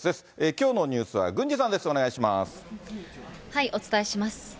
きょうのニュースは郡司さんです、お伝えします。